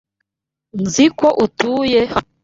Nzi ko utuye hano.